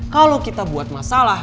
kalau kita buat masalah